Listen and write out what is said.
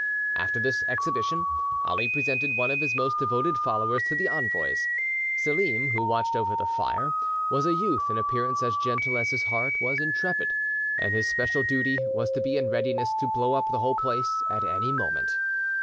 After this exhibition, Ali presented one of his most devoted followers to the envoys. Selim, who watched over the fire, was a youth in appearance as gentle as his heart was intrepid, and his special duty was to be in readiness to blow up the whole place at any moment.